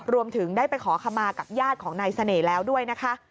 รวมถึงได้ไปขอขมากับญาติของนายเสน่ห์แล้วด้วยนะคะ